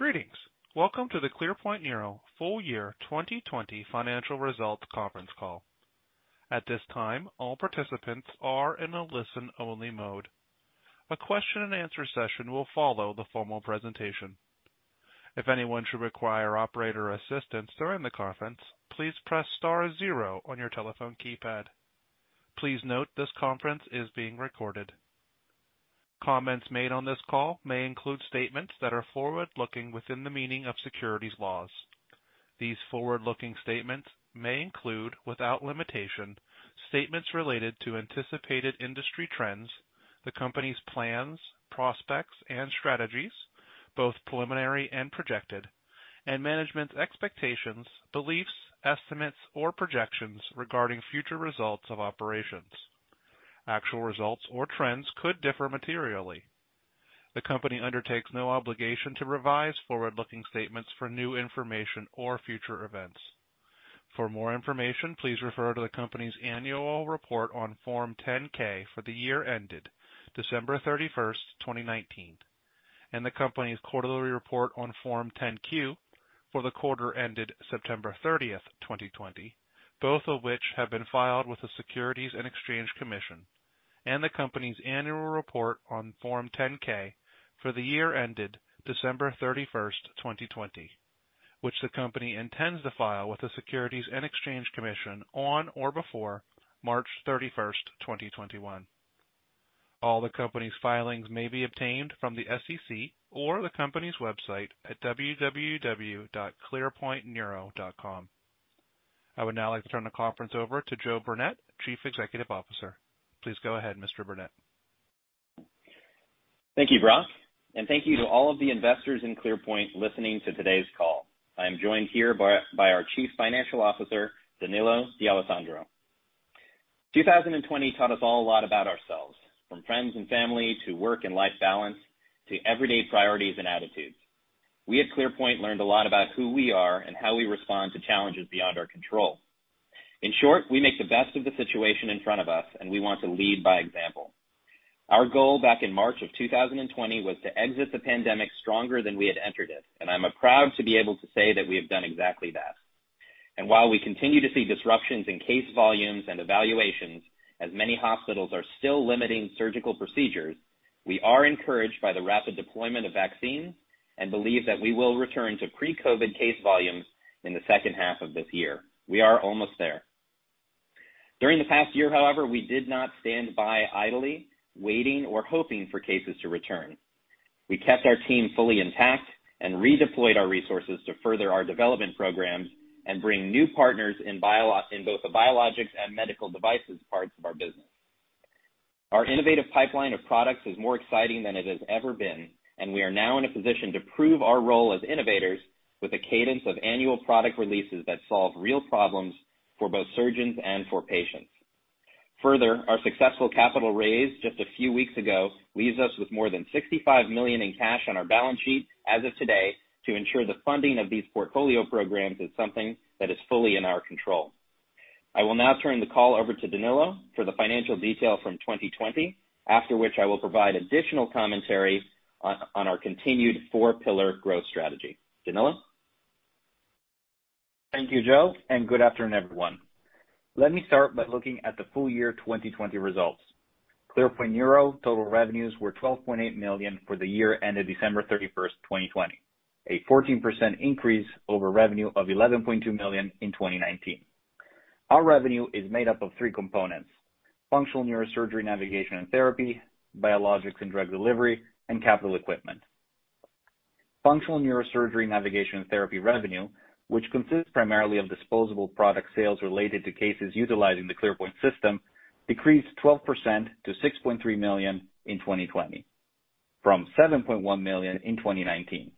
Greetings. Welcome to the ClearPoint Neuro full year 2020 financial results conference call. At this time, all participants are in a listen-only mode. A question and answer session will follow the formal presentation. If anyone should require operator assistance during the conference, please press star zero on your telephone keypad. Please note this conference is being recorded. Comments made on this call may include statements that are forward-looking within the meaning of securities laws. These forward-looking statements may include, without limitation, statements related to anticipated industry trends, the company's plans, prospects, and strategies, both preliminary and projected, and management's expectations, beliefs, estimates, or projections regarding future results of operations. Actual results or trends could differ materially. The company undertakes no obligation to revise forward-looking statements for new information or future events. For more information, please refer to the company's annual report on Form 10-K for the year ended December 31st, 2019, and the company's quarterly report on Form 10-Q for the quarter ended September 30th, 2020, both of which have been filed with the Securities and Exchange Commission, and the company's annual report on Form 10-K for the year ended December 31st, 2020, which the company intends to file with the Securities and Exchange Commission on or before March 31st, 2021. All the company's filings may be obtained from the SEC or the company's website at www.clearpointneuro.com. I would now like to turn the conference over to Joe Burnett, Chief Executive Officer. Please go ahead, Mr. Burnett. Thank you, Brock, and thank you to all of the investors in ClearPoint listening to today's call. I am joined here by our Chief Financial Officer, Danilo D'Alessandro. 2020 taught us all a lot about ourselves, from friends and family to work and life balance to everyday priorities and attitudes. We at Clearpoint learned a lot about who we are and how we respond to challenges beyond our control. In short, we make the best of the situation in front of us, and we want to lead by example. Our goal back in March of 2020 was to exit the pandemic stronger than we had entered it, and I'm proud to be able to say that we have done exactly that. While we continue to see disruptions in case volumes and evaluations as many hospitals are still limiting surgical procedures, we are encouraged by the rapid deployment of vaccines and believe that we will return to pre-COVID case volumes in the second half of this year. We are almost there. During the past year, however, we did not stand by idly waiting or hoping for cases to return. We kept our team fully intact and redeployed our resources to further our development programs and bring new partners in both the biologics and medical devices parts of our business. Our innovative pipeline of products is more exciting than it has ever been, we are now in a position to prove our role as innovators with a cadence of annual product releases that solve real problems for both surgeons and for patients. Further, our successful capital raise just a few weeks ago leaves us with more than $65 million in cash on our balance sheet as of today to ensure the funding of these portfolio programs is something that is fully in our control. I will now turn the call over to Danilo for the financial detail from 2020, after which I will provide additional commentary on our continued four-pillar growth strategy. Danilo? Thank you, Joe, and good afternoon, everyone. Let me start by looking at the full year 2020 results. ClearPoint Neuro total revenues were $12.8 million for the year ended December 31st, 2020, a 14% increase over revenue of $11.2 million in 2019. Our revenue is made up of three components. Functional neurosurgery navigation and therapy, biologics and drug delivery, and capital equipment. Functional neurosurgery navigation and therapy revenue, which consists primarily of disposable product sales related to cases utilizing the ClearPoint system, decreased 12% to $6.3 million in 2020 from $7.1 million in 2019.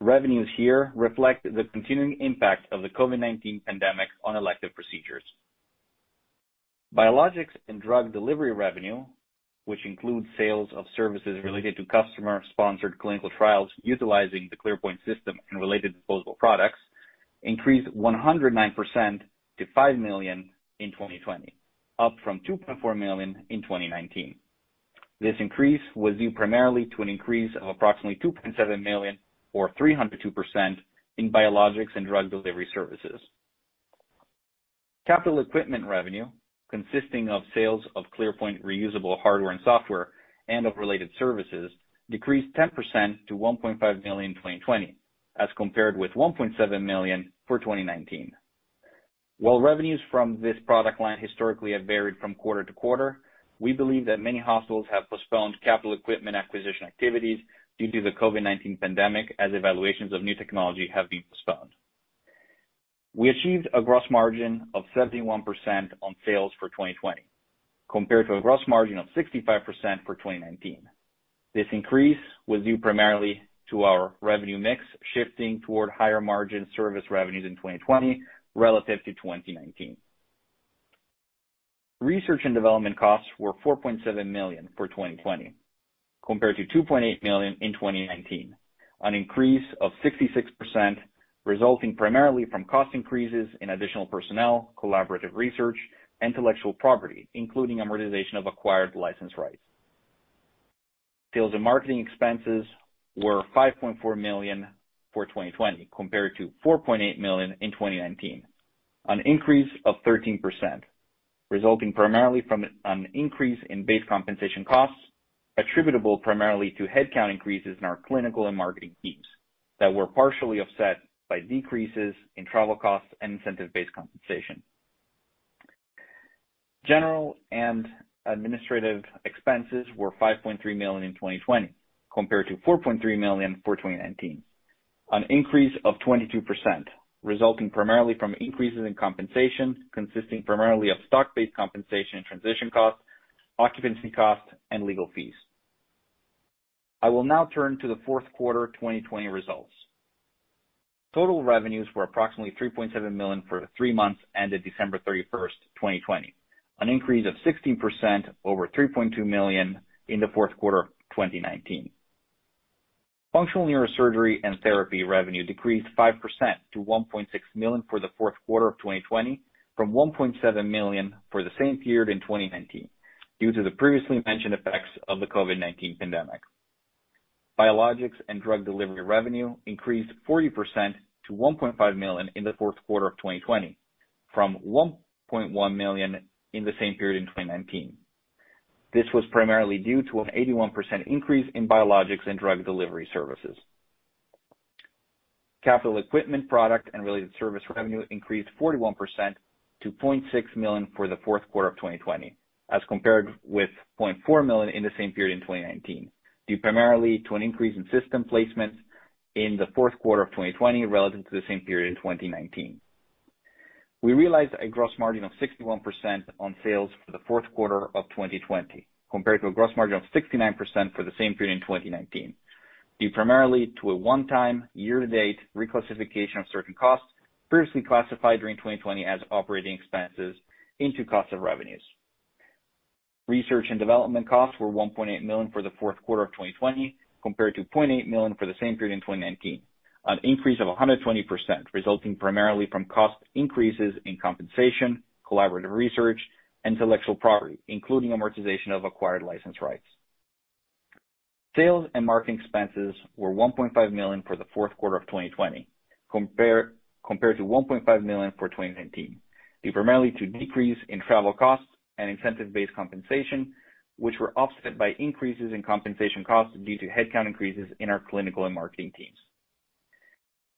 Revenues here reflect the continuing impact of the COVID-19 pandemic on elective procedures. Biologics and drug delivery revenue, which includes sales of services related to customer-sponsored clinical trials utilizing the ClearPoint system and related disposable products, increased 109% to $5 million in 2020, up from $2.4 million in 2019. This increase was due primarily to an increase of approximately $2.7 million or 302% in biologics and drug delivery services. Capital equipment revenue, consisting of sales of ClearPoint reusable hardware and software and of related services, decreased 10% to $1.5 million in 2020 as compared with $1.7 million for 2019. While revenues from this product line historically have varied from quarter to quarter, we believe that many hospitals have postponed capital equipment acquisition activities due to the COVID-19 pandemic, as evaluations of new technology have been postponed. We achieved a gross margin of 71% on sales for 2020 compared to a gross margin of 65% for 2019. This increase was due primarily to our revenue mix shifting toward higher margin service revenues in 2020 relative to 2019. Research and development costs were $4.7 million for 2020 compared to $2.8 million in 2019. An increase of 66%, resulting primarily from cost increases in additional personnel, collaborative research, intellectual property, including amortization of acquired license rights. Sales and marketing expenses were $5.4 million for 2020 compared to $4.8 million in 2019. An increase of 13%, resulting primarily from an increase in base compensation costs attributable primarily to headcount increases in our clinical and marketing teams that were partially offset by decreases in travel costs and incentive-based compensation. General and administrative expenses were $5.3 million in 2020 compared to $4.3 million for 2019. An increase of 22%, resulting primarily from increases in compensation, consisting primarily of stock-based compensation and transition costs, occupancy costs, and legal fees. I will now turn to the fourth quarter 2020 results. Total revenues were approximately $3.7 million for the three months ended December 31st, 2020, an increase of 16% over $3.2 million in the fourth quarter of 2019. Functional neurosurgery and therapy revenue decreased 5% to $1.6 million for the fourth quarter of 2020 from $1.7 million for the same period in 2019, due to the previously mentioned effects of the COVID-19 pandemic. Biologics and drug delivery revenue increased 40% to $1.5 million in the fourth quarter of 2020 from $1.1 million in the same period in 2019. This was primarily due to an 81% increase in biologics and drug delivery services. Capital equipment product and related service revenue increased 41% to $0.6 million for the fourth quarter of 2020 as compared with $0.4 million in the same period in 2019, due primarily to an increase in system placements in the fourth quarter of 2020 relative to the same period in 2019. We realized a gross margin of 61% on sales for the fourth quarter of 2020 compared to a gross margin of 69% for the same period in 2019, due primarily to a one-time year-to-date reclassification of certain costs previously classified during 2020 as operating expenses into cost of revenues. Research and development costs were $1.8 million for the fourth quarter of 2020 compared to $0.8 million for the same period in 2019, an increase of 120%, resulting primarily from cost increases in compensation, collaborative research, intellectual property, including amortization of acquired license rights. Sales and marketing expenses were $1.5 million for the fourth quarter of 2020 compared to $1.5 million for 2019, due primarily to decrease in travel costs and incentive-based compensation, which were offset by increases in compensation costs due to headcount increases in our clinical and marketing teams.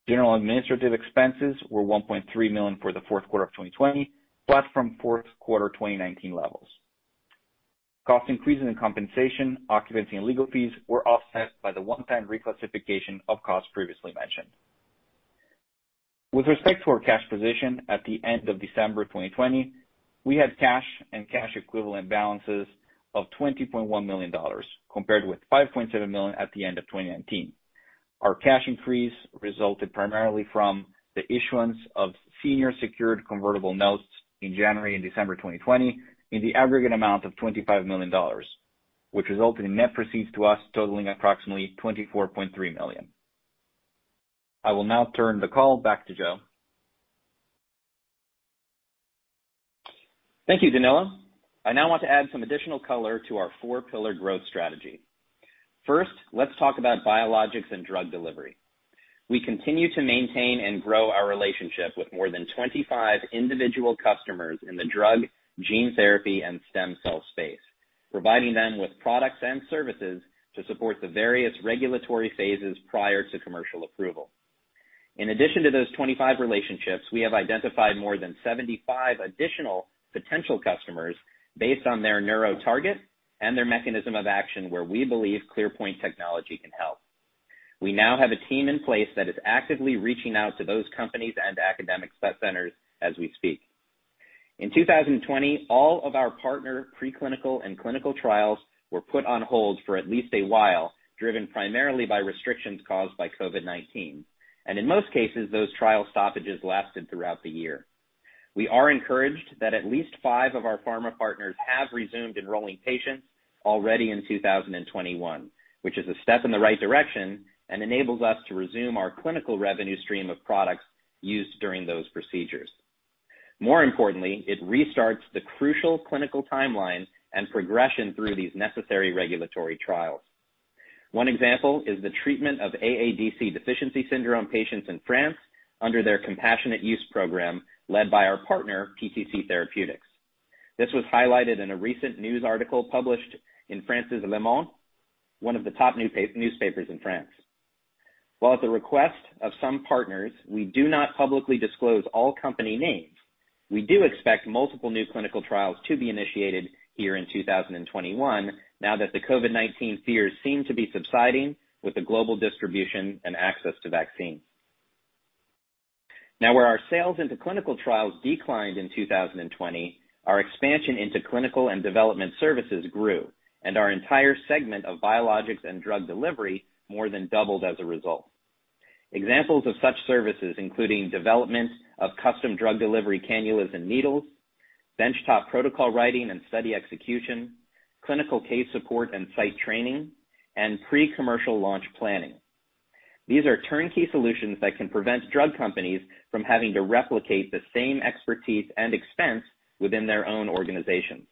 General administrative expenses were $1.3 million for the fourth quarter of 2020, plus from fourth quarter 2019 levels. Cost increases in compensation, occupancy, and legal fees were offset by the one-time reclassification of costs previously mentioned. With respect to our cash position at the end of December 2020, we had cash and cash equivalent balances of $20.1 million compared with $5.7 million at the end of 2019. Our cash increase resulted primarily from the issuance of senior secured convertible notes in January and December 2020 in the aggregate amount of $25 million, which resulted in net proceeds to us totaling approximately $24.3 million. I will now turn the call back to Joe. Thank you, Danilo. I now want to add some additional color to our four-pillar growth strategy. First, let's talk about biologics and drug delivery. We continue to maintain and grow our relationship with more than 25 individual customers in the drug, gene therapy, and stem cell space, providing them with products and services to support the various regulatory phases prior to commercial approval. In addition to those 25 relationships, we have identified more than 75 additional potential customers based on their neuro target and their mechanism of action, where we believe ClearPoint technology can help. We now have a team in place that is actively reaching out to those companies and academic centers as we speak. In 2020, all of our partner preclinical and clinical trials were put on hold for at least a while, driven primarily by restrictions caused by COVID-19. In most cases, those trial stoppages lasted throughout the year. We are encouraged that at least five of our pharma partners have resumed enrolling patients already in 2021, which is a step in the right direction and enables us to resume our clinical revenue stream of products used during those procedures. More importantly, it restarts the crucial clinical timelines and progression through these necessary regulatory trials. One example is the treatment of AADC Deficiency Syndrome patients in France under their compassionate use program led by our partner, PTC Therapeutics. This was highlighted in a recent news article published in France's "Le Monde," one of the top newspapers in France. While at the request of some partners, we do not publicly disclose all company names, we do expect multiple new clinical trials to be initiated here in 2021 now that the COVID-19 fears seem to be subsiding with the global distribution and access to vaccines. Where our sales into clinical trials declined in 2020, our expansion into clinical and development services grew, and our entire segment of biologics and drug delivery more than doubled as a result. Examples of such services including development of custom drug delivery cannulas and needles, bench-top protocol writing and study execution, clinical case support and site training, and pre-commercial launch planning. These are turnkey solutions that can prevent drug companies from having to replicate the same expertise and expense within their own organizations.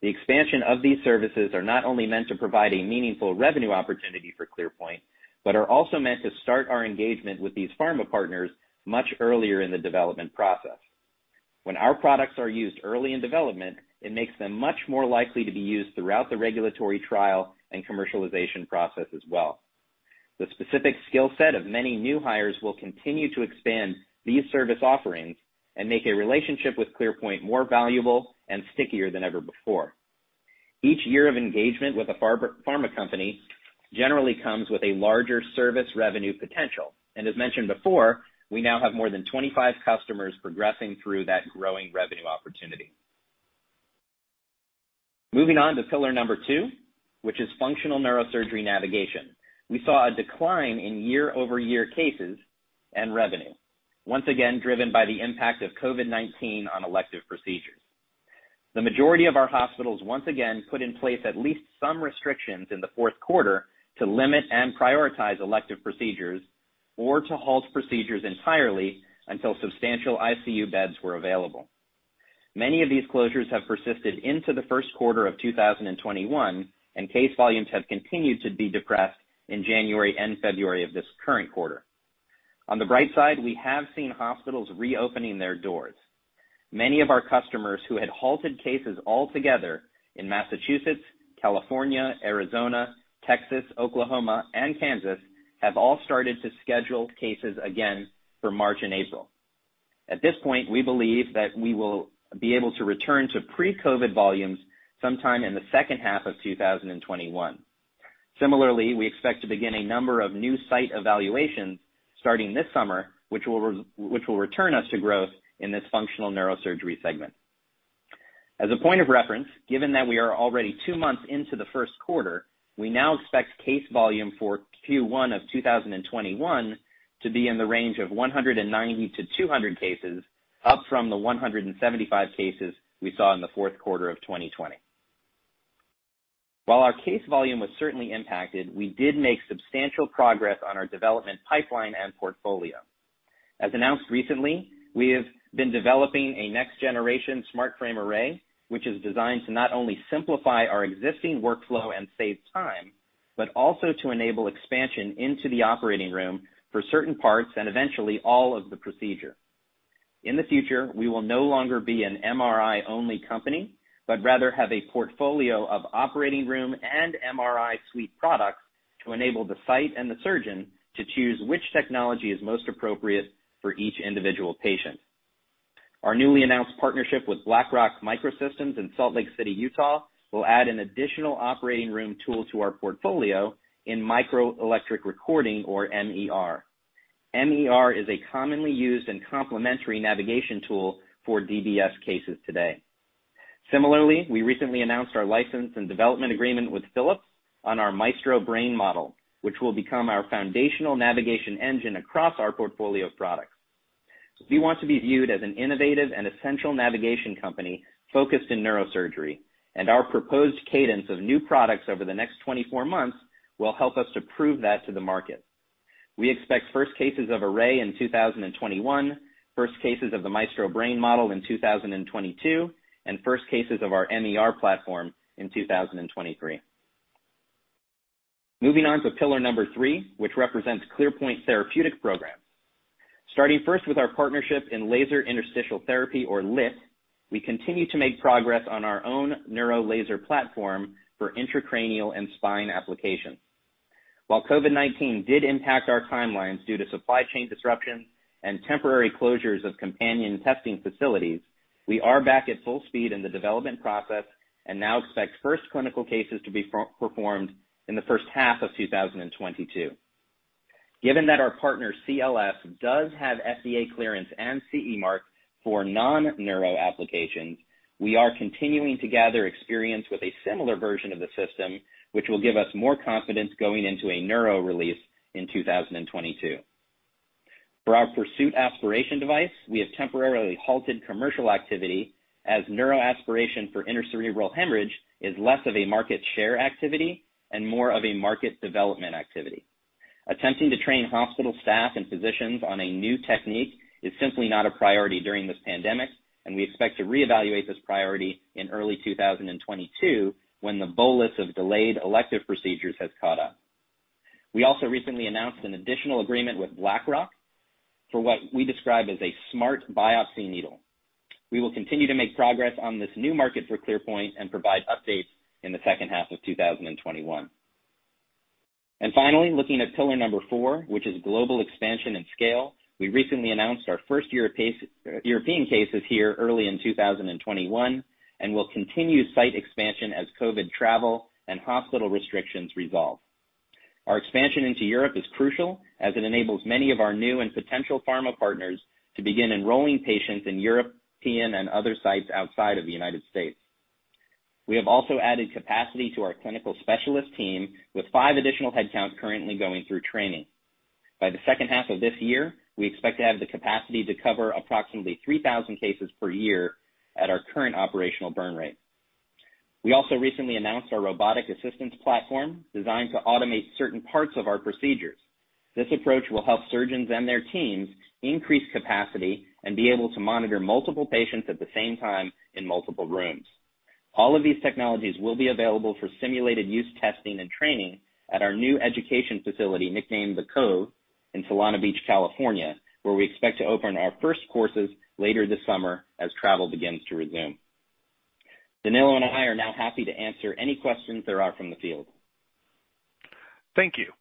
The expansion of these services are not only meant to provide a meaningful revenue opportunity for ClearPoint, but are also meant to start our engagement with these pharma partners much earlier in the development process. When our products are used early in development, it makes them much more likely to be used throughout the regulatory trial and commercialization process as well. The specific skill set of many new hires will continue to expand these service offerings and make a relationship with ClearPoint more valuable and stickier than ever before. Each year of engagement with a pharma company generally comes with a larger service revenue potential. As mentioned before, we now have more than 25 customers progressing through that growing revenue opportunity. Moving on to pillar number two, which is functional neurosurgery navigation. We saw a decline in year-over-year cases and revenue, once again driven by the impact of COVID-19 on elective procedures. The majority of our hospitals once again put in place at least some restrictions in the fourth quarter to limit and prioritize elective procedures or to halt procedures entirely until substantial ICU beds were available. Many of these closures have persisted into the first quarter of 2021 and case volumes have continued to be depressed in January and February of this current quarter. On the bright side, we have seen hospitals reopening their doors. Many of our customers who had halted cases altogether in Massachusetts, California, Arizona, Texas, Oklahoma, and Kansas have all started to schedule cases again for March and April. At this point, we believe that we will be able to return to pre-COVID volumes sometime in the second half of 2021. Similarly, we expect to begin a number of new site evaluations starting this summer, which will return us to growth in this functional neurosurgery segment. As a point of reference, given that we are already two months into the first quarter, we now expect case volume for Q1 of 2021 to be in the range of 190 to 200 cases, up from the 175 cases we saw in the fourth quarter of 2020. While our case volume was certainly impacted, we did make substantial progress on our development pipeline and portfolio. As announced recently, we have been developing a next generation SmartFrame Array, which is designed to not only simplify our existing workflow and save time, but also to enable expansion into the operating room for certain parts and eventually all of the procedure. In the future, we will no longer be an MRI-only company, but rather have a portfolio of operating room and MRI suite products to enable the site and the surgeon to choose which technology is most appropriate for each individual patient. Our newly announced partnership with Blackrock Microsystems in Salt Lake City, Utah will add an additional operating room tool to our portfolio in microelectrode recording or MER. MER is a commonly used and complementary navigation tool for DBS cases today. Similarly, we recently announced our license and development agreement with Philips on our Maestro Brain Model, which will become our foundational navigation engine across our portfolio of products. We want to be viewed as an innovative and essential navigation company focused in neurosurgery, and our proposed cadence of new products over the next 24 months will help us to prove that to the market. We expect first cases of Array in 2021, first cases of the Maestro Brain Model in 2022, and first cases of our MER platform in 2023. Moving on to pillar three, which represents ClearPoint therapeutic program. Starting first with our partnership in laser interstitial therapy or LIT, we continue to make progress on our own neuro laser platform for intracranial and spine applications. While COVID-19 did impact our timelines due to supply chain disruptions and temporary closures of companion testing facilities, we are back at full speed in the development process and now expect first clinical cases to be performed in the first half of 2022. Given that our partner CLS does have FDA clearance and CE mark for non-neuro applications, we are continuing to gather experience with a similar version of the system, which will give us more confidence going into a neuro release in 2022. For our PURSUIT aspiration device, we have temporarily halted commercial activity as neuro aspiration for intracerebral hemorrhage is less of a market share activity and more of a market development activity. Attempting to train hospital staff and physicians on a new technique is simply not a priority during this pandemic, and we expect to reevaluate this priority in early 2022 when the bolus of delayed elective procedures has caught up. We also recently announced an additional agreement with Blackrock for what we describe as a smart biopsy needle. We will continue to make progress on this new market for ClearPoint and provide updates in the second half of 2021. Finally, looking at pillar number four, which is global expansion and scale. We recently announced our first European cases here early in 2021, and will continue site expansion as COVID travel and hospital restrictions resolve. Our expansion into Europe is crucial, as it enables many of our new and potential pharma partners to begin enrolling patients in European and other sites outside of the U.S. We have also added capacity to our clinical specialist team with five additional headcounts currently going through training. By the second half of this year, we expect to have the capacity to cover approximately 3,000 cases per year at our current operational burn rate. We also recently announced our robotic assistance platform, designed to automate certain parts of our procedures. This approach will help surgeons and their teams increase capacity and be able to monitor multiple patients at the same time in multiple rooms. All of these technologies will be available for simulated use testing and training at our new education facility, nicknamed The Cove, in Solana Beach, California, where we expect to open our first courses later this summer as travel begins to resume. Danilo and I are now happy to answer any questions there are from the field. Thank you.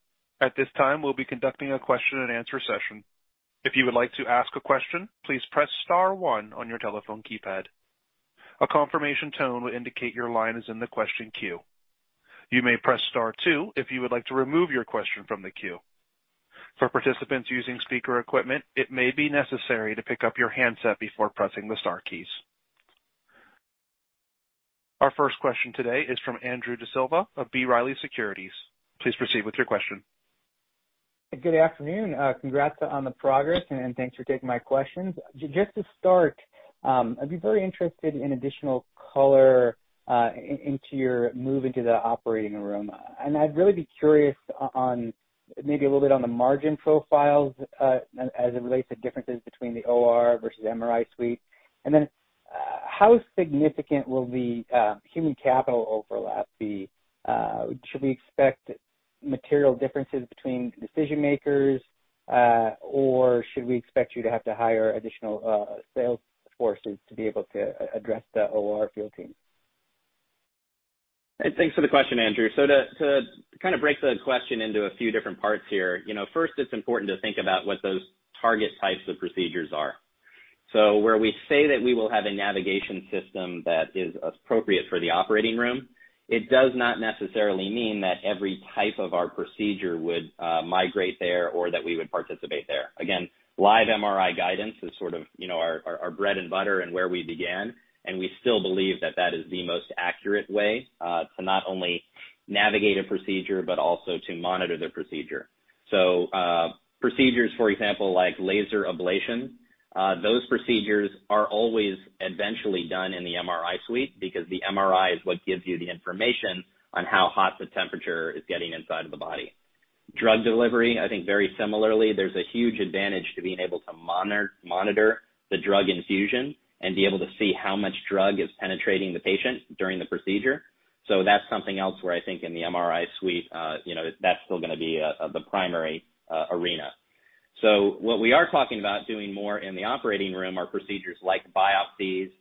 Our first question today is from Andrew D'Silva of B. Riley Securities. Please proceed with your question. Good afternoon. Congrats on the progress, and thanks for taking my questions. Just to start, I'd be very interested in additional color into your move into the operating room. I'd really be curious maybe a little bit on the margin profiles as it relates to differences between the OR versus MRI suite. How significant will the human capital overlap be? Should we expect material differences between decision-makers? Should we expect you to have to hire additional sales forces to be able to address the OR field team? Thanks for the question, Andrew. To kind of break the question into a few different parts here. First, it's important to think about what those target types of procedures are. Where we say that we will have a navigation system that is appropriate for the operating room, it does not necessarily mean that every type of our procedure would migrate there or that we would participate there. Again, live MRI guidance is sort of our bread and butter and where we began, and we still believe that that is the most accurate way to not only navigate a procedure but also to monitor the procedure. Procedures, for example, like laser ablation, those procedures are always eventually done in the MRI suite because the MRI is what gives you the information on how hot the temperature is getting inside of the body. Drug delivery, I think very similarly, there's a huge advantage to being able to monitor the drug infusion and be able to see how much drug is penetrating the patient during the procedure. That's something else where I think in the MRI suite that's still going to be the primary arena. What we are talking about doing more in the operating room are procedures like biopsies,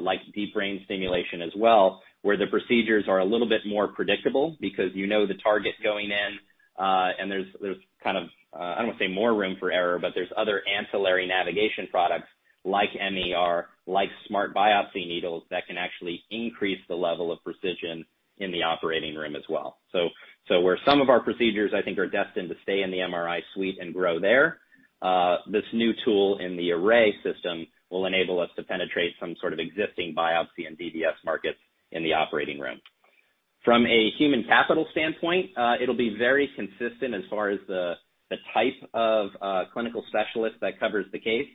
like deep brain stimulation as well, where the procedures are a little bit more predictable because you know the target going in, and there's kind of, I don't want to say more room for error, but there's other ancillary navigation products like MER, like smart biopsy needles, that can actually increase the level of precision in the operating room as well. Where some of our procedures, I think, are destined to stay in the MRI suite and grow there, this new tool in the Array system will enable us to penetrate some sort of existing biopsy and DBS markets in the operating room. From a human capital standpoint, it'll be very consistent as far as the type of clinical specialist that covers the case.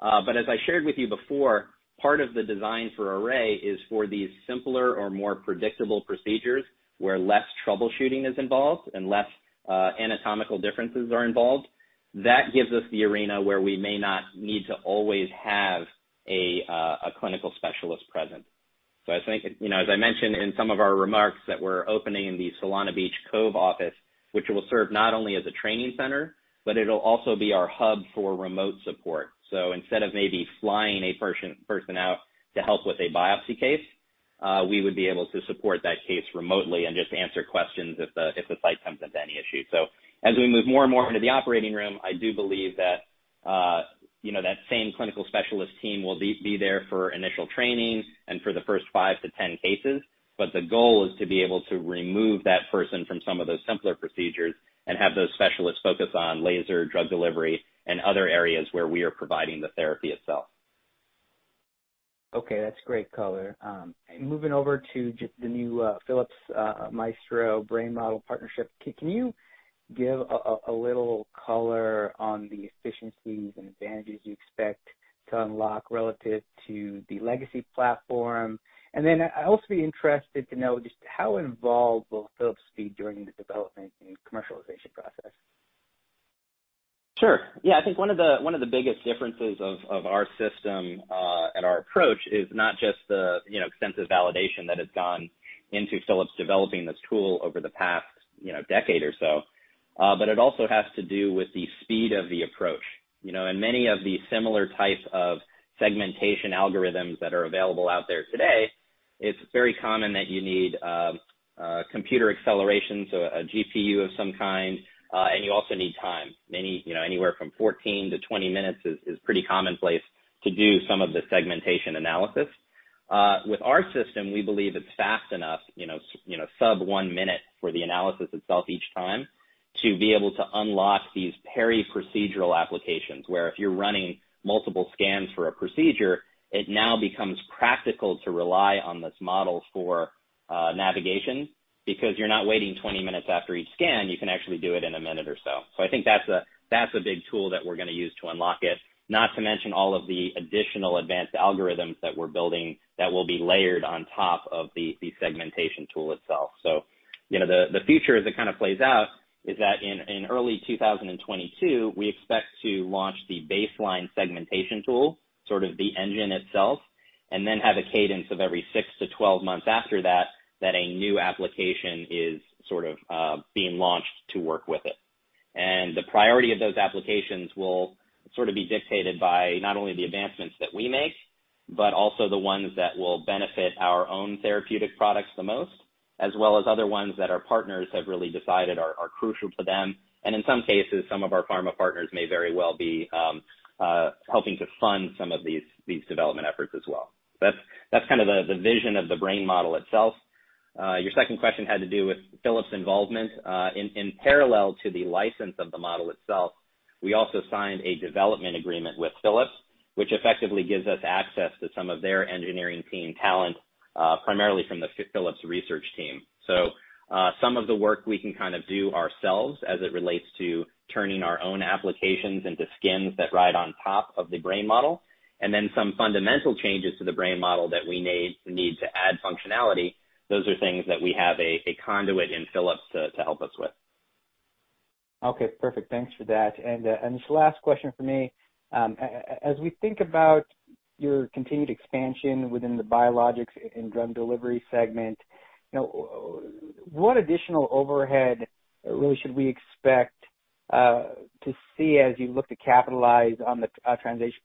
As I shared with you before, part of the design for Array is for these simpler or more predictable procedures where less troubleshooting is involved and less anatomical differences are involved. That gives us the arena where we may not need to always have a clinical specialist present. As I mentioned in some of our remarks that we're opening the Solana Beach Cove office, which will serve not only as a training center, but it'll also be our hub for remote support. Instead of maybe flying a person out to help with a biopsy case, we would be able to support that case remotely and just answer questions if the site comes up to any issue. As we move more and more into the operating room, I do believe that same clinical specialist team will be there for initial training and for the first 5-10 cases. The goal is to be able to remove that person from some of those simpler procedures and have those specialists focus on laser drug delivery and other areas where we are providing the therapy itself. Okay. That's great color. Moving over to the new Philips Maestro Brain Model Partnership, can you give a little color on the efficiencies and advantages you expect to unlock relative to the legacy platform? I'd also be interested to know just how involved will Philips be during the development and commercialization process? Sure. Yeah. I think one of the biggest differences of our system and our approach is not just the extensive validation that has gone into Philips developing this tool over the past decade or so, but it also has to do with the speed of the approach. In many of the similar type of segmentation algorithms that are available out there today, it's very common that you need computer acceleration, so a GPU of some kind, and you also need time. Anywhere from 14-20 minutes is pretty commonplace to do some of the segmentation analysis. With our system, we believe it's fast enough, sub one minute for the analysis itself each time. To be able to unlock these periprocedural applications, where if you're running multiple scans for a procedure, it now becomes practical to rely on this model for navigation because you're not waiting 20 minutes after each scan. You can actually do it in a minute or so. I think that's a big tool that we're going to use to unlock it, not to mention all of the additional advanced algorithms that we're building that will be layered on top of the segmentation tool itself. The future as it kind of plays out is that in early 2022, we expect to launch the baseline segmentation tool, sort of the engine itself, and then have a cadence of every 6-12 months after that a new application is sort of being launched to work with it. The priority of those applications will sort of be dictated by not only the advancements that we make but also the ones that will benefit our own therapeutic products the most, as well as other ones that our partners have really decided are crucial to them. In some cases, some of our pharma partners may very well be helping to fund some of these development efforts as well. That's kind of the vision of the brain model itself. Your second question had to do with Philips' involvement. In parallel to the license of the model itself, we also signed a development agreement with Philips, which effectively gives us access to some of their engineering team talent, primarily from the Philips research team. Some of the work we can kind of do ourselves as it relates to turning our own applications into skins that ride on top of the brain model, and then some fundamental changes to the brain model that we need to add functionality. Those are things that we have a conduit in Philips to help us with. Okay, perfect. Thanks for that. This last question from me. As we think about your continued expansion within the biologics and drug delivery segment, what additional overhead really should we expect to see as you look to capitalize on the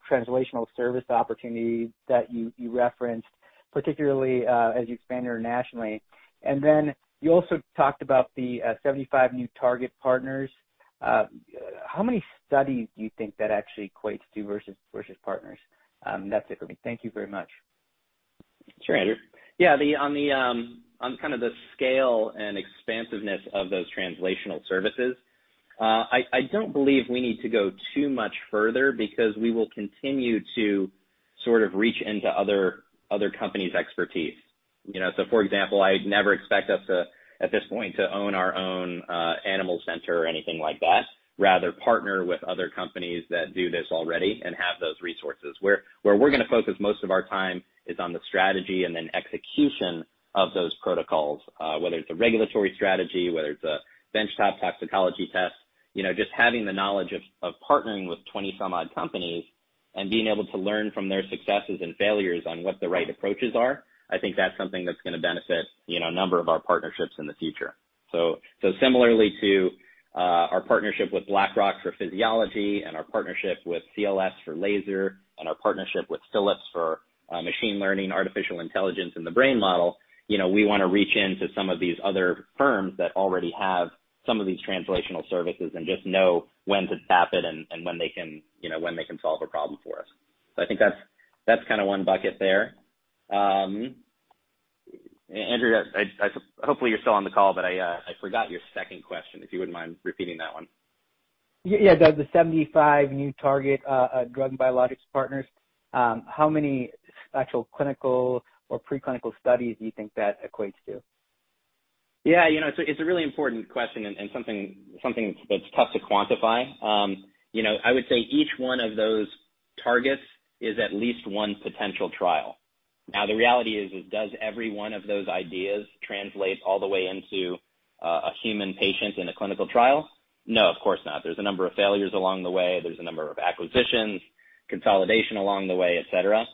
translational service opportunity that you referenced, particularly as you expand internationally? Then you also talked about the 75 new target partners. How many studies do you think that actually equates to versus partners? That's it for me. Thank you very much. Sure, Andrew. Yeah, on kind of the scale and expansiveness of those translational services, I don't believe we need to go too much further because we will continue to sort of reach into other companies' expertise. For example, I never expect us, at this point, to own our own animal center or anything like that, rather partner with other companies that do this already and have those resources. Where we're going to focus most of our time is on the strategy and then execution of those protocols, whether it's a regulatory strategy, whether it's a bench-top toxicology test. Just having the knowledge of partnering with 20 some odd companies and being able to learn from their successes and failures on what the right approaches are, I think that's something that's going to benefit a number of our partnerships in the future. Similarly to our partnership with Blackrock for physiology and our partnership with CLS for laser and our partnership with Philips for machine learning, artificial intelligence in the brain model, we want to reach into some of these other firms that already have some of these translational services and just know when to tap it and when they can solve a problem for us. I think that's kind of one bucket there. Andrew, hopefully you're still on the call, but I forgot your second question, if you wouldn't mind repeating that one. Yeah. The 75 new target drug and biologics partners, how many actual clinical or preclinical studies do you think that equates to? Yeah, it's a really important question and something that's tough to quantify. I would say each one of those targets is at least one potential trial. The reality is, does every one of those ideas translate all the way into a human patient in a clinical trial? No, of course not. There's a number of failures along the way. There's a number of acquisitions, consolidation along the way, et cetera.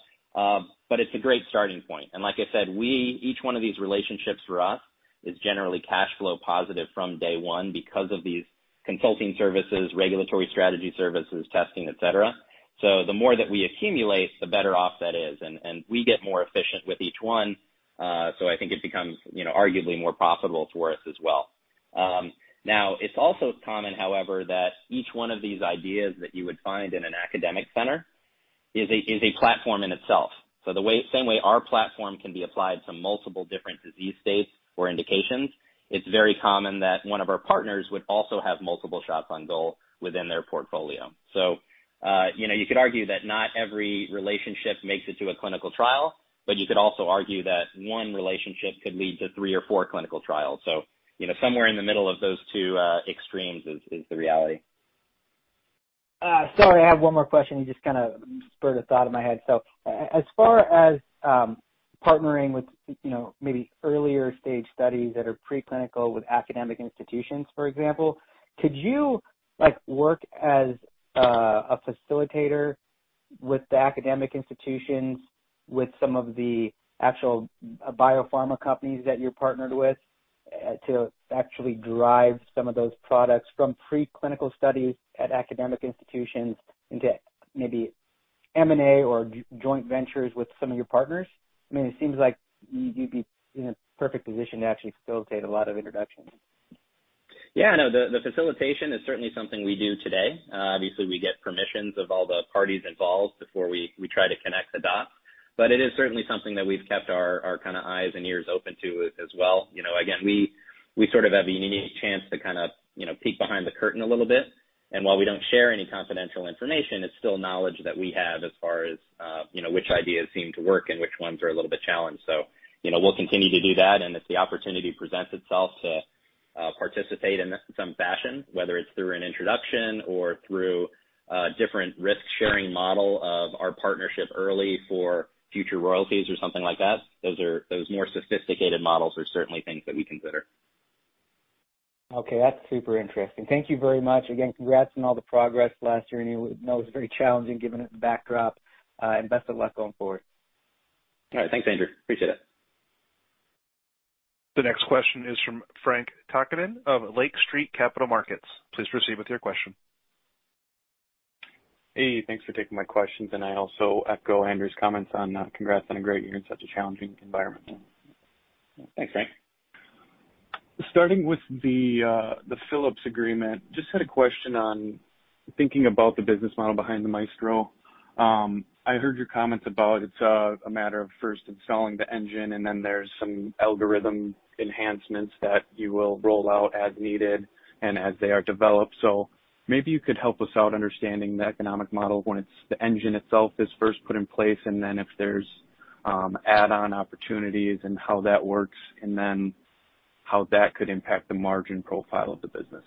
It's a great starting point. Like I said, each one of these relationships for us is generally cash flow positive from day one because of these consulting services, regulatory strategy services, testing, et cetera. The more that we accumulate, the better off that is, and we get more efficient with each one. I think it becomes arguably more profitable for us as well. Now, it's also common, however, that each one of these ideas that you would find in an academic center is a platform in itself. The same way our platform can be applied to multiple different disease states or indications, it's very common that one of our partners would also have multiple shots on goal within their portfolio. You could argue that not every relationship makes it to a clinical trial, but you could also argue that one relationship could lead to three or four clinical trials. Somewhere in the middle of those two extremes is the reality. Sorry, I have one more question. You just kind of spurred a thought in my head. As far as partnering with maybe earlier stage studies that are preclinical with academic institutions, for example, could you work as a facilitator with the academic institutions, with some of the actual biopharma companies that you're partnered with, to actually drive some of those products from preclinical studies at academic institutions into maybe M&A or joint ventures with some of your partners? I mean, it seems like you'd be in a perfect position to actually facilitate a lot of introductions. Yeah, no, the facilitation is certainly something we do today. Obviously, we get permissions of all the parties involved before we try to connect the dots. It is certainly something that we've kept our eyes and ears open to as well. Again, we sort of have a unique chance to peek behind the curtain a little bit. While we don't share any confidential information, it's still knowledge that we have as far as which ideas seem to work and which ones are a little bit challenged. We'll continue to do that, and if the opportunity presents itself to participate in some fashion, whether it's through an introduction or through a different risk-sharing model of our partnership early for future royalties or something like that, those more sophisticated models are certainly things that we consider. Okay. That's super interesting. Thank you very much. Again, congrats on all the progress last year. I know it was very challenging given the backdrop. Best of luck going forward. All right. Thanks, Andrew. Appreciate it. The next question is from Frank Takkinen of Lake Street Capital Markets. Please proceed with your question. Hey, thanks for taking my questions, and I also echo Andrew's comments on congrats on a great year in such a challenging environment. Thanks, Frank. Starting with the Philips agreement, just had a question on thinking about the business model behind the Maestro. I heard your comments about it's a matter of first installing the engine, and then there's some algorithm enhancements that you will roll out as needed and as they are developed. Maybe you could help us out understanding the economic model when the engine itself is first put in place, and then if there's add-on opportunities and how that works, and then how that could impact the margin profile of the business.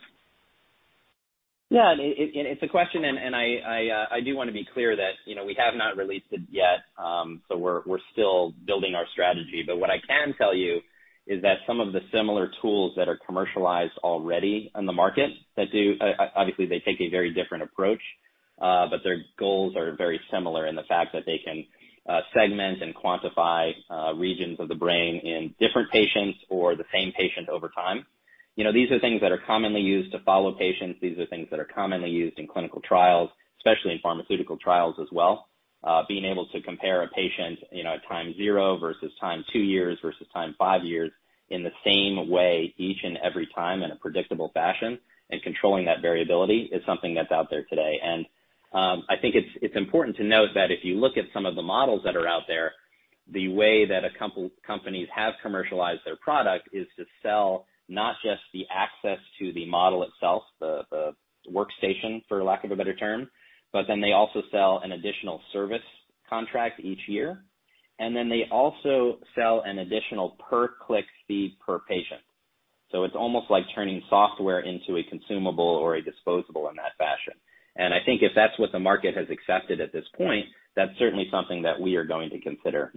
Yeah. It's a question, and I do want to be clear that we have not released it yet, so we're still building our strategy. What I can tell you is that some of the similar tools that are commercialized already on the market, obviously, they take a very different approach, but their goals are very similar in the fact that they can segment and quantify regions of the brain in different patients or the same patient over time. These are things that are commonly used to follow patients. These are things that are commonly used in clinical trials, especially in pharmaceutical trials as well. Being able to compare a patient at time zero versus time two years versus time five years in the same way each and every time in a predictable fashion and controlling that variability is something that's out there today. I think it's important to note that if you look at some of the models that are out there, the way that companies have commercialized their product is to sell not just the access to the model itself, the workstation, for lack of a better term, but they also sell an additional service contract each year. They also sell an additional per-click fee per patient. It's almost like turning software into a consumable or a disposable in that fashion. I think if that's what the market has accepted at this point, that's certainly something that we are going to consider.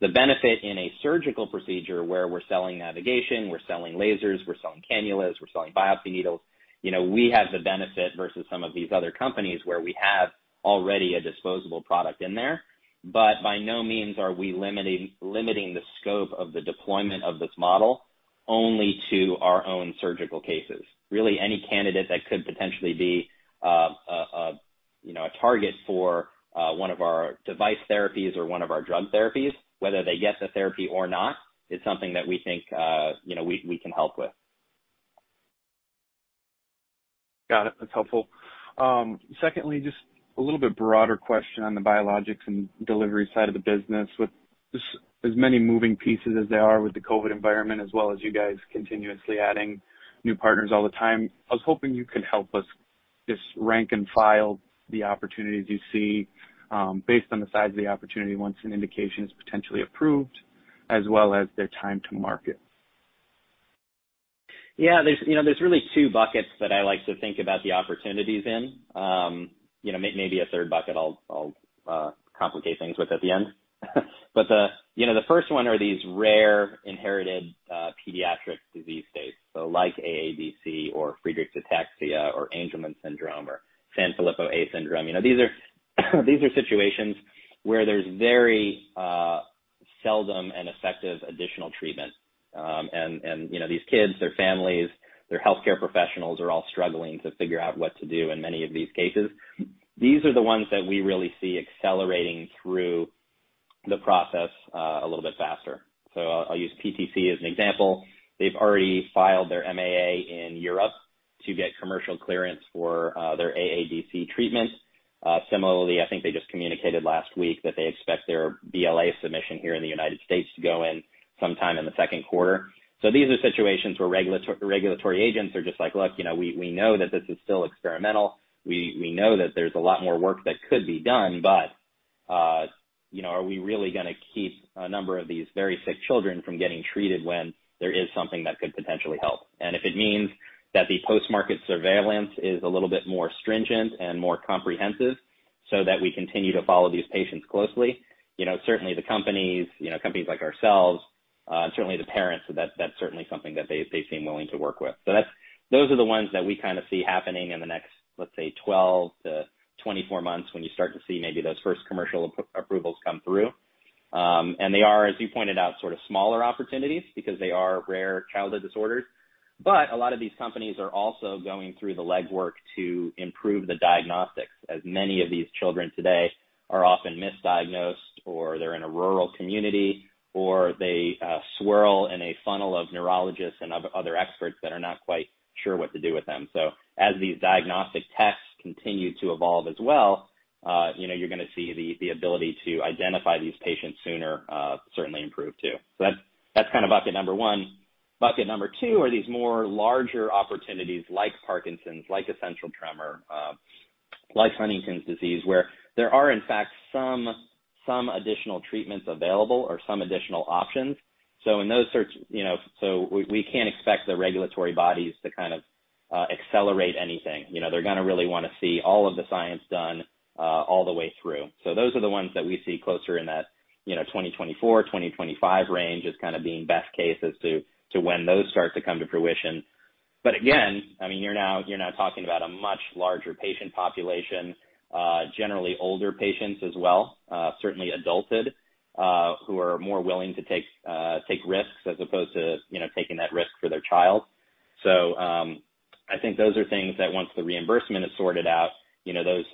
The benefit in a surgical procedure where we're selling navigation, we're selling lasers, we're selling cannulas, we're selling biopsy needles, we have the benefit versus some of these other companies where we have already a disposable product in there. By no means are we limiting the scope of the deployment of this model, only to our own surgical cases. Really, any candidate that could potentially be a target for one of our device therapies or one of our drug therapies, whether they get the therapy or not, is something that we think we can help with. Got it. That's helpful. Secondly, just a little bit broader question on the biologics and delivery side of the business. With as many moving pieces as there are with the COVID environment, as well as you guys continuously adding new partners all the time, I was hoping you could help us just rank and file the opportunities you see, based on the size of the opportunity once an indication is potentially approved, as well as their time to market. Yeah. There's really two buckets that I like to think about the opportunities in. Maybe a third bucket I'll complicate things with at the end. The first one are these rare inherited pediatric disease states, like AADC or Friedreich's ataxia or Angelman syndrome or Sanfilippo A syndrome. These are situations where there's very seldom an effective additional treatment. These kids, their families, their healthcare professionals are all struggling to figure out what to do in many of these cases. These are the ones that we really see accelerating through the process a little bit faster. I'll use PTC as an example. They've already filed their MAA in Europe to get commercial clearance for their AADC treatments. Similarly, I think they just communicated last week that they expect their BLA submission here in the U.S. to go in sometime in the second quarter. These are situations where regulatory agents are just like, "Look, we know that this is still experimental." We know that there's a lot more work that could be done, but are we really going to keep a number of these very sick children from getting treated when there is something that could potentially help? If it means that the post-market surveillance is a little bit more stringent and more comprehensive so that we continue to follow these patients closely, certainly the companies like ourselves, and certainly the parents, that's certainly something that they seem willing to work with. Those are the ones that we kind of see happening in the next, let's say, 12-24 months when you start to see maybe those first commercial approvals come through. They are, as you pointed out, sort of smaller opportunities because they are rare childhood disorders. A lot of these companies are also going through the legwork to improve the diagnostics, as many of these children today are often misdiagnosed, or they're in a rural community, or they swirl in a funnel of neurologists and other experts that are not quite sure what to do with them. As these diagnostic tests continue to evolve as well, you're going to see the ability to identify these patients sooner certainly improve, too. That's kind of bucket number one. Bucket number two are these more larger opportunities like Parkinson's, like essential tremor, like Huntington's disease, where there are, in fact, some additional treatments available or some additional options. We can't expect the regulatory bodies to kind of accelerate anything. They're going to really want to see all of the science done all the way through. Those are the ones that we see closer in that 2024, 2025 range as kind of being best case as to when those start to come to fruition. Again, you're now talking about a much larger patient population, generally older patients as well, certainly adulted, who are more willing to take risks as opposed to taking that risk for their child. I think those are things that once the reimbursement is sorted out,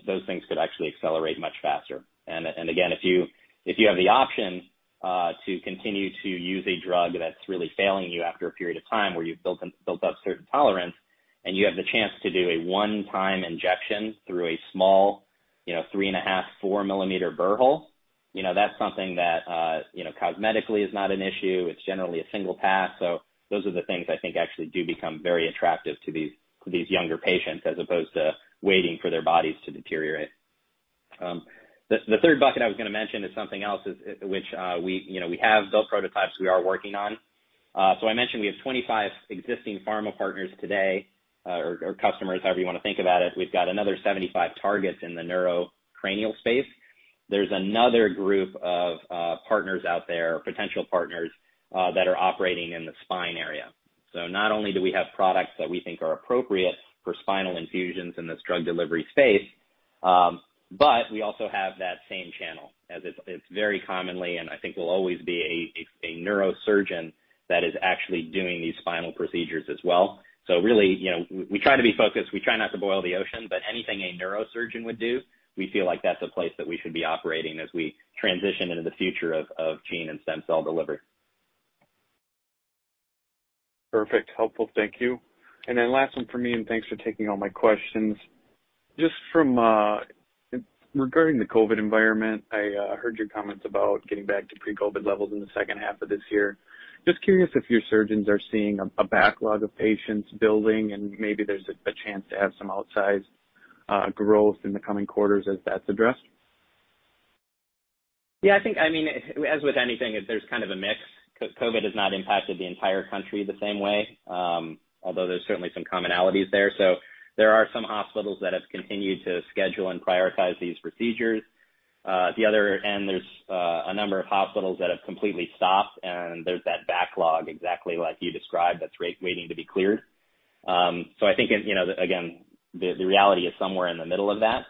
those things could actually accelerate much faster. Again, if you have the option to continue to use a drug that's really failing you after a period of time where you've built up certain tolerance, and you have the chance to do a one-time injection through a small 3.5, 4 mm burr hole, that's something that cosmetically is not an issue. It's generally a single path. Those are the things I think actually do become very attractive to these younger patients as opposed to waiting for their bodies to deteriorate. The third bucket I was going to mention is something else, which we have built prototypes we are working on. I mentioned we have 25 existing pharma partners today, or customers, however you want to think about it. We've got another 75 targets in the neurocranial space. There's another group of partners out there, potential partners, that are operating in the spine area. Not only do we have products that we think are appropriate for spinal infusions in this drug delivery space, but we also have that same channel. It's very commonly, and I think will always be a neurosurgeon that is actually doing these spinal procedures as well. Really, we try to be focused. We try not to boil the ocean, but anything a neurosurgeon would do, we feel like that's a place that we should be operating as we transition into the future of gene and stem cell delivery. Perfect. Helpful. Thank you. Last one from me, and thanks for taking all my questions. Regarding the COVID environment, I heard your comments about getting back to pre-COVID levels in the second half of this year. Just curious if your surgeons are seeing a backlog of patients building and maybe there's a chance to have some outsized growth in the coming quarters as that's addressed. Yeah, I think, as with anything, there's kind of a mix. COVID has not impacted the entire country the same way, although there's certainly some commonalities there. There are some hospitals that have continued to schedule and prioritize these procedures. At the other end, there's a number of hospitals that have completely stopped, and there's that backlog exactly like you described, that's waiting to be cleared. I think, again, the reality is somewhere in the middle of that.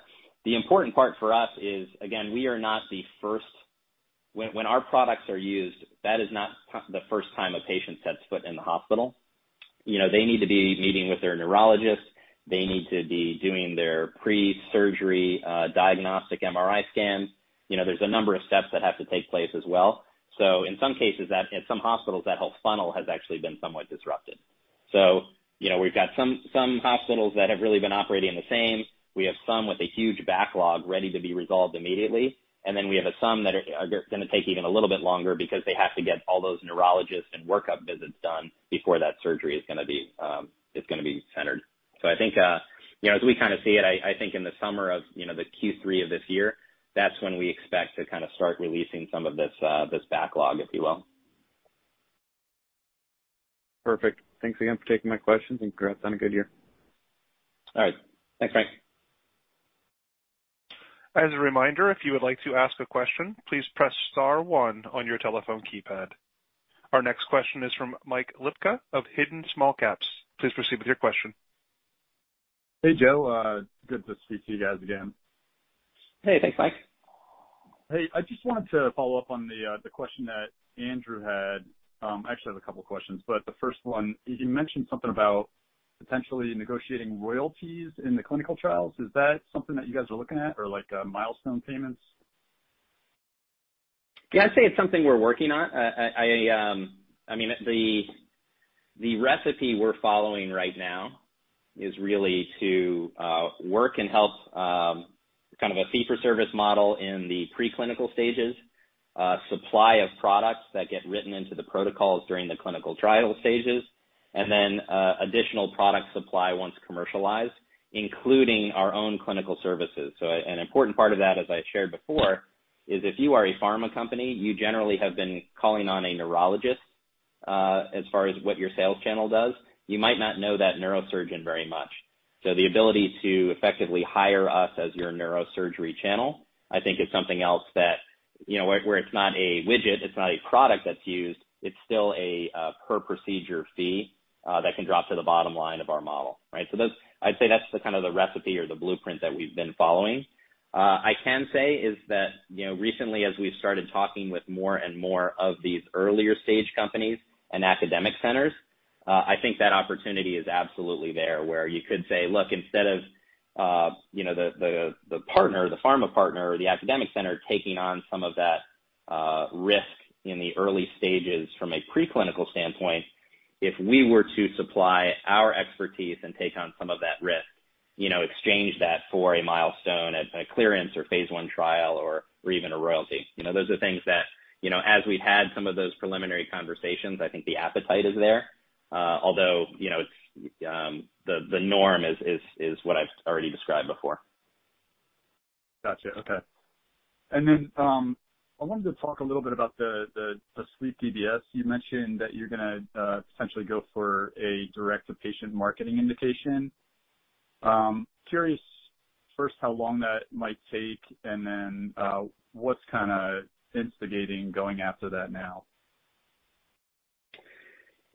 The important part for us is, again, when our products are used, that is not the first time a patient sets foot in the hospital. They need to be meeting with their neurologist. They need to be doing their pre-surgery diagnostic MRI scans. There's a number of steps that have to take place as well. In some cases, at some hospitals, that whole funnel has actually been somewhat disrupted. We've got some hospitals that have really been operating the same. We have some with a huge backlog ready to be resolved immediately, and then we have some that are going to take even a little bit longer because they have to get all those neurologists and workup visits done before that surgery is going to be centered. I think, as we kind of see it, I think in the summer of the Q3 of this year, that's when we expect to kind of start releasing some of this backlog, if you will. Perfect. Thanks again for taking my questions, and congrats on a good year. All right. Thanks, Frank. Our next question is from Mike Lipka of Hidden Small Caps. Please proceed with your question. Hey, Joe. Good to speak to you guys again. Hey, thanks, Mike. Hey, I just wanted to follow up on the question that Andrew had. I actually have a couple questions, but the first one, you mentioned something about potentially negotiating royalties in the clinical trials. Is that something that you guys are looking at, or like milestone payments? I'd say it's something we're working on. The recipe we're following right now is really to work and help kind of a fee for service model in the pre-clinical stages, supply of products that get written into the protocols during the clinical trial stages, and then additional product supply once commercialized, including our own clinical services. An important part of that, as I shared before, is if you are a pharma company, you generally have been calling on a neurologist, as far as what your sales channel does. You might not know that neurosurgeon very much. The ability to effectively hire us as your neurosurgery channel, I think is something else that where it's not a widget, it's not a product that's used, it's still a per procedure fee that can drop to the bottom line of our model, right? I'd say that's the kind of the recipe or the blueprint that we've been following. I can say is that recently as we've started talking with more and more of these earlier stage companies and academic centers, I think that opportunity is absolutely there, where you could say, look, instead of the partner or the pharma partner or the academic center taking on some of that risk in the early stages from a pre-clinical standpoint, if we were to supply our expertise and take on some of that risk. Exchange that for a milestone, a clearance or phase I trial or even a royalty. Those are things that as we've had some of those preliminary conversations, I think the appetite is there. The norm is what I've already described before. Got you. Okay. I wanted to talk a little bit about the asleep DBS. You mentioned that you're going to potentially go for a direct-to-patient marketing indication. Curious first how long that might take, what's kind of instigating going after that now?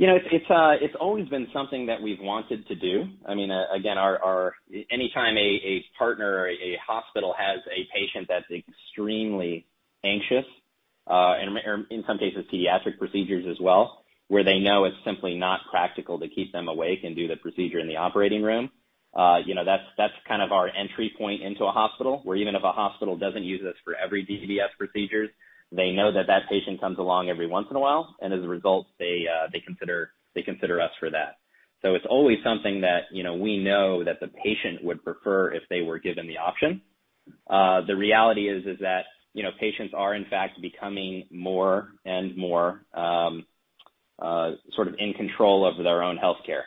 It's always been something that we've wanted to do. Anytime a partner or a hospital has a patient that's extremely anxious, or in some cases, pediatric procedures as well, where they know it's simply not practical to keep them awake and do the procedure in the operating room. That's kind of our entry point into a hospital, where even if a hospital doesn't use us for every DBS procedure, they know that that patient comes along every once in a while, and as a result, they consider us for that. It's always something that, we know that the patient would prefer if they were given the option. The reality is that, patients are in fact becoming more and more sort of in control of their own healthcare.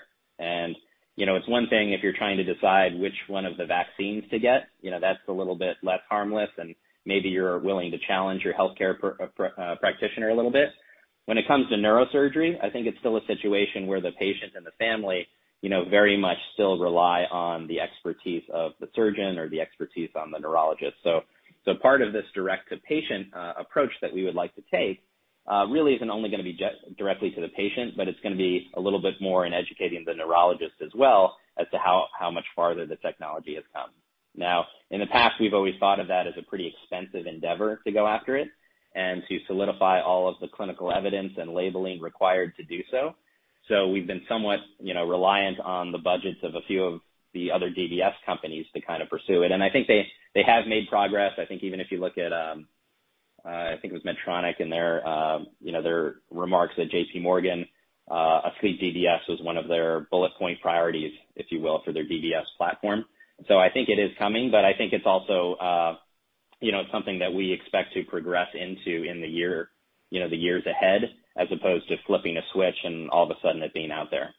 It's one thing if you're trying to decide which one of the vaccines to get, that's a little bit less harmless and maybe you're willing to challenge your healthcare practitioner a little bit. When it comes to neurosurgery, I think it's still a situation where the patient and the family very much still rely on the expertise of the surgeon or the expertise on the neurologist. Part of this direct-to-patient approach that we would like to take, really isn't only going to be just directly to the patient, but it's going to be a little bit more in educating the neurologist as well as to how much farther the technology has come. In the past, we've always thought of that as a pretty expensive endeavor to go after it and to solidify all of the clinical evidence and labeling required to do so. We've been somewhat reliant on the budgets of a few of the other DBS companies to kind of pursue it. I think they have made progress. I think even if you look at, I think it was Medtronic in their remarks at JPMorgan, asleep DBS was one of their bullet point priorities, if you will, for their DBS platform. I think it is coming, but I think it's also something that we expect to progress into in the years ahead as opposed to flipping a switch and all of a sudden it being out there.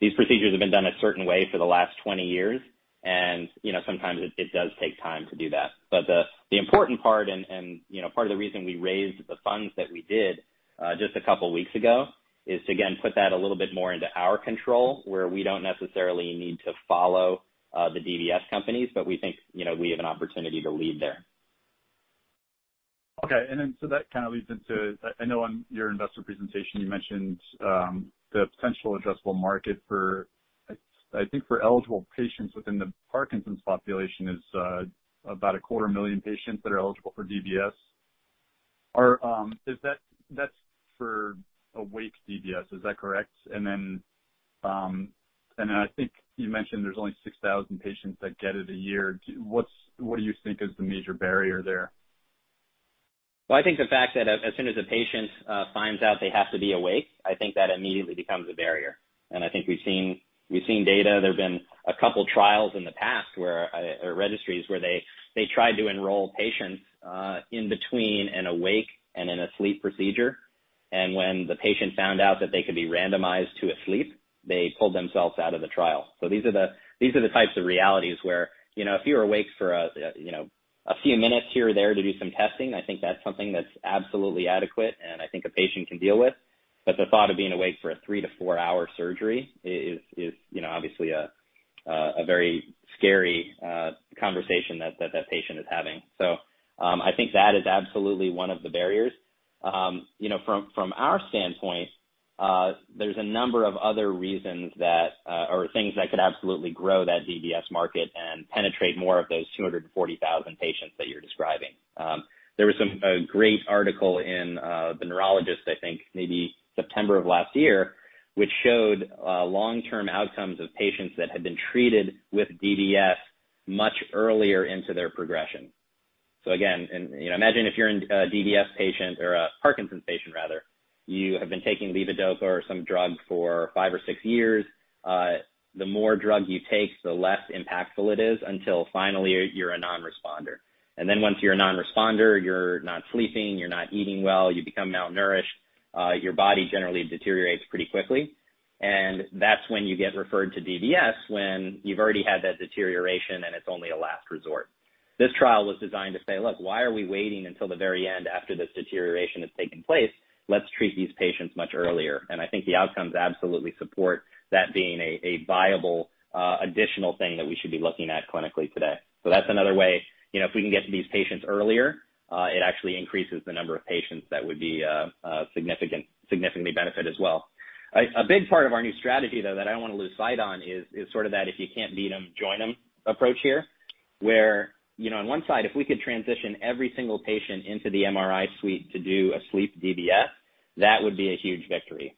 These procedures have been done a certain way for the last 20 years, and sometimes it does take time to do that. The important part and part of the reason we raised the funds that we did just a couple of weeks ago is to again put that a little bit more into our control, where we don't necessarily need to follow the DBS companies, but we think we have an opportunity to lead there. Okay. That kind of leads into, I know on your investor presentation, you mentioned the potential addressable market for, I think for eligible patients within the Parkinson's population is about a quarter million patients that are eligible for DBS. That's for awake DBS, is that correct? I think you mentioned there's only 6,000 patients that get it a year. What do you think is the major barrier there? Well, I think the fact that as soon as a patient finds out they have to be awake, I think that immediately becomes a barrier. I think we've seen data. There's been a couple of trials in the past or registries where they tried to enroll patients in between an awake and an asleep procedure. When the patient found out that they could be randomized to asleep, they pulled themselves out of the trial. These are the types of realities where, if you're awake for a few minutes here or there to do some testing, I think that's something that's absolutely adequate and I think a patient can deal with. The thought of being awake for a three to four-hour surgery is obviously a very scary conversation that that patient is having. I think that is absolutely one of the barriers. From our standpoint, there's a number of other reasons or things that could absolutely grow that DBS market and penetrate more of those 240,000 patients that you're describing. There was a great article in "The Neurologist," I think maybe September of last year, which showed long-term outcomes of patients that had been treated with DBS much earlier into their progression. Again, imagine if you're a DBS patient or a Parkinson's patient, rather, you have been taking levodopa or some drug for five or six years. The more drug you take, the less impactful it is, until finally you're a non-responder. Once you're a non-responder, you're not sleeping, you're not eating well, you become malnourished. Your body generally deteriorates pretty quickly, and that's when you get referred to DBS, when you've already had that deterioration, and it's only a last resort. This trial was designed to say, "Look, why are we waiting until the very end after this deterioration has taken place? Let's treat these patients much earlier." I think the outcomes absolutely support that being a viable additional thing that we should be looking at clinically today. That's another way. If we can get to these patients earlier, it actually increases the number of patients that would be significantly benefited as well. A big part of our new strategy, though, that I don't want to lose sight on is sort of that if you can't beat them, join them approach here, where on one side, if we could transition every single patient into the MRI suite to do asleep DBS, that would be a huge victory.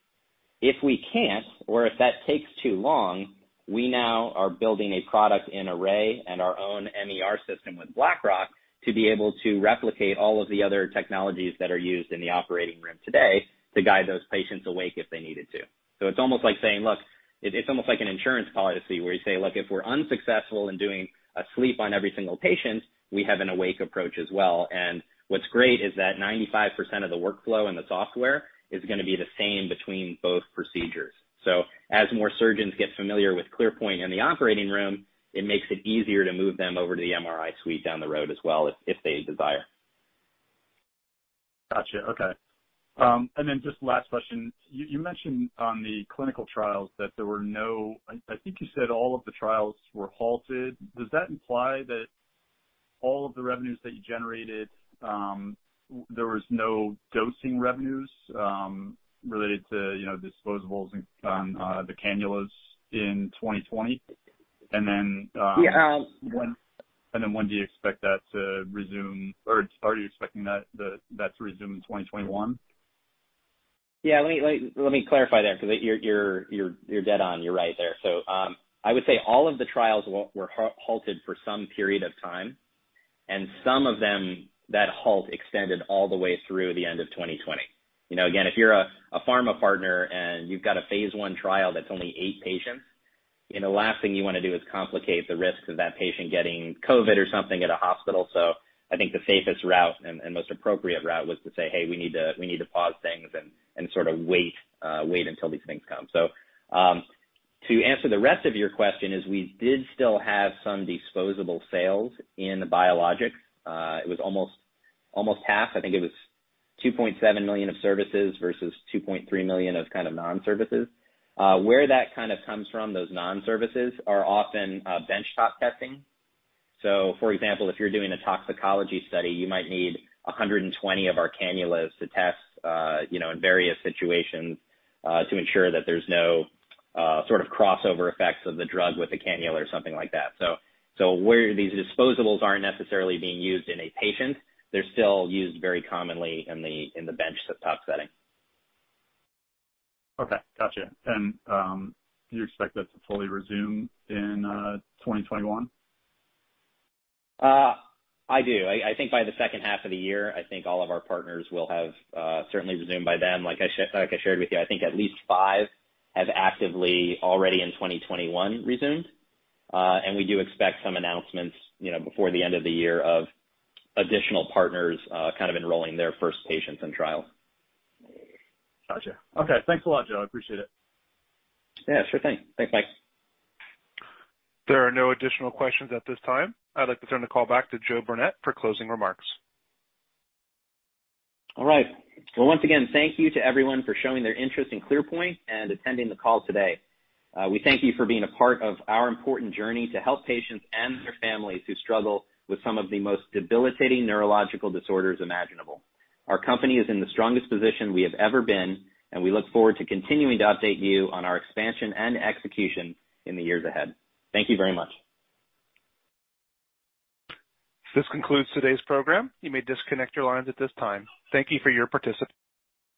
If we can't or if that takes too long, we now are building a product in Array and our own MER system with Blackrock to be able to replicate all of the other technologies that are used in the operating room today to guide those patients awake if they needed to. It's almost like an insurance policy where you say, "Look, if we're unsuccessful in doing a sleep on every single patient, we have an awake approach as well." What's great is that 95% of the workflow in the software is going to be the same between both procedures. As more surgeons get familiar with ClearPoint in the operating room, it makes it easier to move them over to the MRI suite down the road as well if they desire. Got you. Okay. Just last question. You mentioned on the clinical trials that, I think you said all of the trials were halted. Does that imply that all of the revenues that you generated, there was no dosing revenues related to disposables on the cannulas in 2020? Yeah. When do you expect that to resume, or are you expecting that to resume in 2021? Yeah. Let me clarify there, because you're dead on. You're right there. I would say all of the trials were halted for some period of time, and some of them, that halt extended all the way through the end of 2020. Again, if you're a pharma partner and you've got a phase I trial that's only eight patients, the last thing you want to do is complicate the risks of that patient getting COVID or something at a hospital. I think the safest route and most appropriate route was to say, "Hey, we need to pause things and sort of wait until these things come." To answer the rest of your question is we did still have some disposable sales in the biologics. It was almost half. I think it was $2.7 million of services versus $2.3 million of kind of non-services. Where that kind of comes from, those non-services are often bench top testing. For example, if you're doing a toxicology study, you might need 120 of our cannulas to test in various situations, to ensure that there's no sort of crossover effects of the drug with the cannula or something like that. Where these disposables aren't necessarily being used in a patient, they're still used very commonly in the bench top setting. Okay. Got you. Do you expect that to fully resume in 2021? I do. I think by the second half of the year, I think all of our partners will have certainly resumed by then. Like I shared with you, I think at least five have actively already in 2021 resumed. We do expect some announcements before the end of the year of additional partners kind of enrolling their first patients in trial. Got you. Okay. Thanks a lot, Joe. I appreciate it. Yeah, sure thing. Thanks, Mike. There are no additional questions at this time. I'd like to turn the call back to Joe Burnett for closing remarks. All right. Well, once again, thank you to everyone for showing their interest in Clearpoint Neuro and attending the call today. We thank you for being a part of our important journey to help patients and their families who struggle with some of the most debilitating neurological disorders imaginable. Our company is in the strongest position we have ever been, and we look forward to continuing to update you on our expansion and execution in the years ahead. Thank you very much. This concludes today's program. You may disconnect your lines at this time. Thank you for your participation.